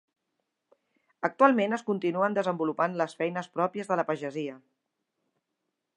Actualment es continuen desenvolupant les feines pròpies de la pagesia.